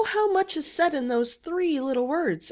how much is said in those three little words